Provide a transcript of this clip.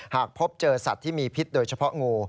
หากพบเจอสัตว์ที่มีพิษโดยเฉพาะงู